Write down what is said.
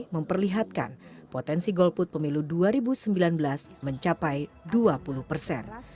memperlihatkan potensi golput pemilu dua ribu sembilan belas mencapai dua puluh persen